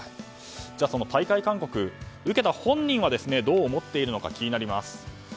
では、退会勧告を受けた本人はどう思っているのか気になります。